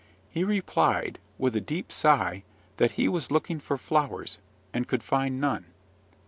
He replied, with a deep sigh, that he was looking for flowers, and could find none.